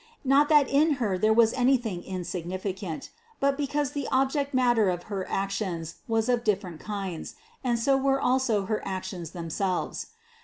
Not that in Her there was anything insignificant, but because the object matter of her actions was of different kinds, and so were also her actions themselves.